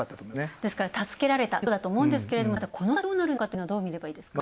ですから助けられたということだと思うんですけどもただ、この先どうなるかというのはどう見ればいいですか。